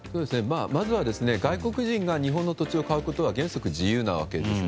まずは外国人が日本の土地を買うことは原則、自由なわけですね。